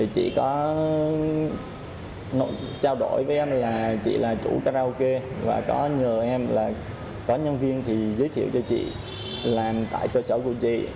chị có trao đổi với em là chị là chủ karaoke và có nhờ em là có nhân viên thì giới thiệu cho chị làm tại cơ sở của chị